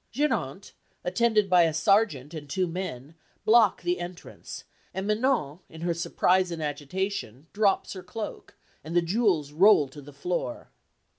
Geronte, attended by a sergeant and two men, block the entrance, and Manon in her surprise and agitation drops her cloak, and the jewels roll to the floor.